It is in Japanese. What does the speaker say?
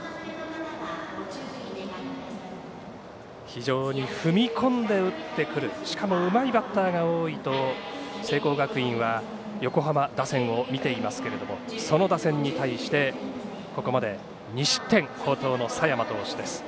非常に踏み込んで打ってくるしかもうまいバッターが多いと聖光学院は横浜打線を見ていますけれどもその打線に対してここまで２失点好投の佐山投手です。